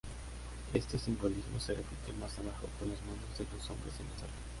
Este simbolismo se repite más abajo con las manos de dos hombres enlazadas.